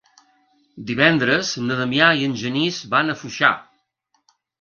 Divendres na Damià i en Genís van a Foixà.